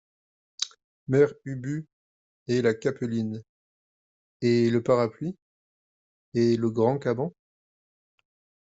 Mère Ubu Et la capeline ? et le parapluie ? et le grand caban ?